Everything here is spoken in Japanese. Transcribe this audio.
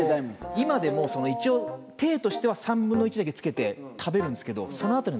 今でも一応体としては３分の１だけつけて食べるんですけどその後に。